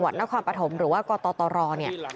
พตรพูดถึงเรื่องนี้ยังไงลองฟังกันหน่อยค่ะ